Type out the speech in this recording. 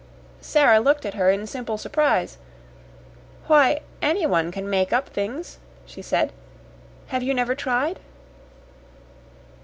Sara looked at her in simple surprise. "Why, anyone can make up things," she said. "Have you never tried?"